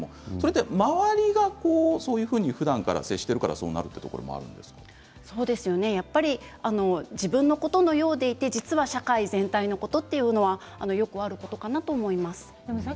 周りがそういうふうに接しているからそうなってしまうことも自分のことのようでいて実は社会全体のことというのはよくあるかなと思います。